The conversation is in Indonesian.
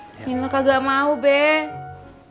mau gak diajak balik lagi ke rumah orang tua lo